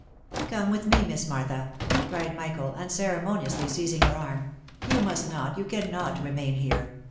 " Come with me, Miss Martha !" cried Michael, unceremoniously seizing her arm. " You must not, you cannot remain here.